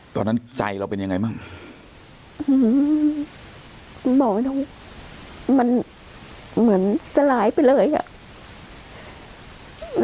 ตอนนั้นใจเราเป็นยังไงบ้างอืมบอกไม่ต้องมันเหมือนสลายไปเลยอ่ะ